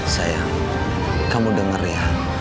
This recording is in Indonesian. sayang kamu denger ya